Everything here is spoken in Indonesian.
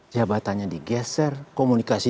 jabatannya digeser komunikasi